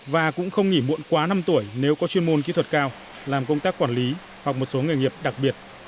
và cũng không nghỉ muộn quá năm tuổi nếu có chuyên môn kỹ thuật cao làm công tác quản lý hoặc một số nghề nghiệp đặc biệt